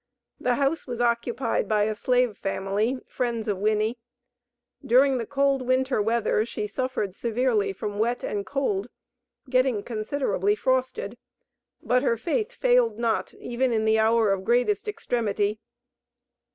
The house was occupied by a slave family, friends of Winnie. During the cold winter weather she suffered severely from wet and cold, getting considerably frosted, but her faith failed not, even in the hour of greatest extremity.